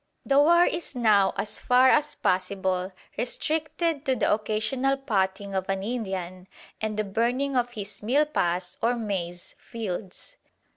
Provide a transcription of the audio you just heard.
The "war" is now as far as possible restricted to the occasional "potting" of an Indian and the burning of his milpas or maize fields.